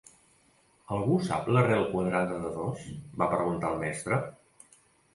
Algú sap l'arrel quadrada de dos? va preguntar el mestre